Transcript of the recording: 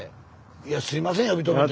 いやすいません呼び止めて。